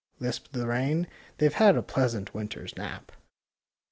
" Lisped the rain. '' They've had a pleasant winter's nap."